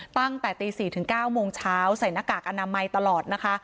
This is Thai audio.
ตั้งแต่ตี๔ถึง๙โมงเช้าใส่หน้ากากอนามัยตลอดนะคะ